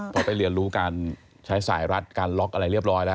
เพราะไปเรียนรู้การใช้สายรัดการล็อกอะไรเรียบร้อยแล้ว